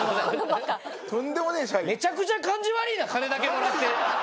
めちゃくちゃ感じ悪ぃな金だけもらって！